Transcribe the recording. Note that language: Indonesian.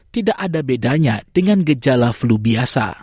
tidak ada bedanya dengan gejala flu biasa